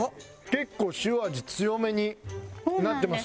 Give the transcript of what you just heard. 結構塩味強めになってますよね。